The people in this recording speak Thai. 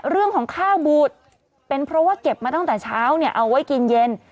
เรื่องของข้าวบูดเป็นเพราะว่าเก็บมาตั้งแต่เช้าเนี่ยเอาไว้กินเย็น